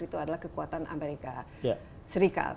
itu adalah kekuatan amerika serikat